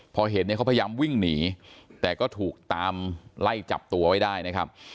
พอเห็นเนี่ยเขาพยายามวิ่งหนีแต่ก็ถูกตามไล่จับตัวไว้ได้นะครับ